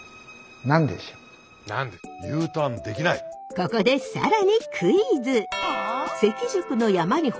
ここで更にクイズ！